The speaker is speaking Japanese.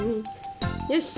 よし。